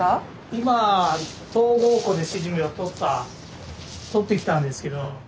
今東郷池でしじみを採った採ってきたんですけど。